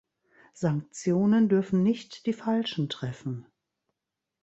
Sanktionen dürfen nicht die Falschen treffen.